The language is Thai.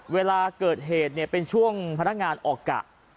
เวลาเกิดเหตุเนี่ยเป็นช่วงพนักงานออกกะ